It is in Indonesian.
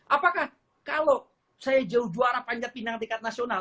apakah kalau saya jauh juara panjat pinang tingkat nasional